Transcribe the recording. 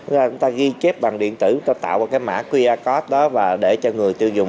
chúng ta ghi chép bằng điện tử chúng ta tạo một cái mã qr code đó và để cho người tiêu dùng